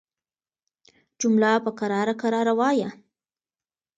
جمله په کراره کراره وايه